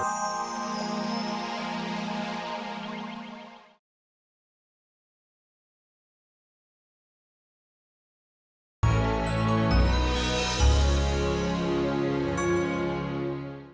pahala kecil dicatat sebagai pahala besar